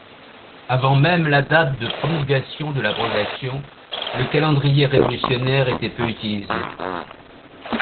Avant même la date de promulgation de l’abrogation, le calendrier révolutionnaire était peu utilisé.